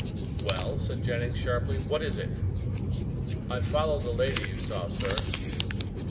"Well," said Jennings sharply, "what is it?" "I followed the lady you saw, sir."